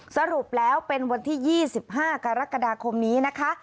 สรุปแล้วเป็นวันที่๒๕กรกฎาคมนี้นะคะ